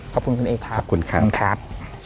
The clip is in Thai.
ขอบคุณค่ะคุณอีกครับ